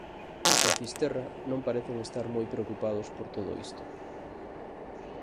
En Fisterra non parecen estar moi preocupados por todo isto.